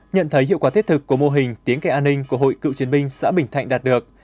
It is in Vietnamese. nhận thấy hiệu quả thiết thực của mô hình tiếng cây an ninh của hội cựu chiến binh xã bình thạnh đạt được